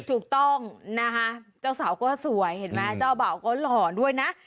ถูกต้องนะคะเจ้าสาวก็สวยเห็นไหมเจ้าบ่าวก็หล่อด้วยนะ